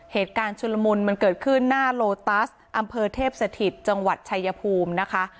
ชุลมุนมันเกิดขึ้นหน้าโลตัสอำเภอเทพสถิตจังหวัดชายภูมินะคะ